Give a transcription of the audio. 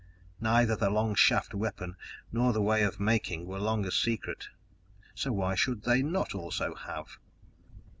Neither the long shaft weapon nor the way of making were longer secret so why should they not also have?